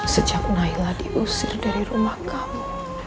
sejak naila diusir dari rumah kamu